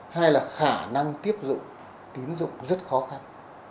hai là khả năng tiếp dụng tín dụng rất khó khăn